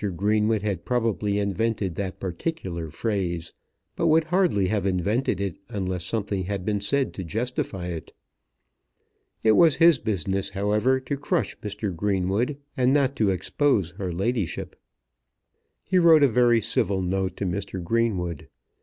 Greenwood had probably invented that particular phrase, but would hardly have invented it unless something had been said to justify it. It was his business, however, to crush Mr. Greenwood, and not to expose her ladyship. He wrote a very civil note to Mr. Greenwood.